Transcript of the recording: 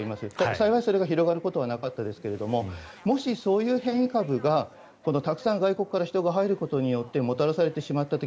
幸い、それが広がることはなかったですがもし、そういう変異株がたくさん人が外国から入ることでもたらされてしまった時